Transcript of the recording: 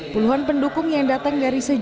puluhan pendukung yang datang dari sejauh ini